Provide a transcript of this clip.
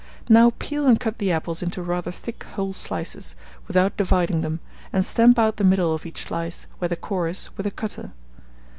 Now peel and cut the apples into rather thick whole slices, without dividing them, and stamp out the middle of each slice, where the core is, with a cutter.